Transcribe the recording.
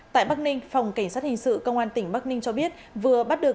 tại bắc ninh phòng cảnh sát hình sự công an tỉnh bắc ninh cho biết vừa bắt được